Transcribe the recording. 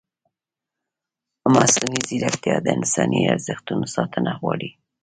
مصنوعي ځیرکتیا د انساني ارزښتونو ساتنه غواړي.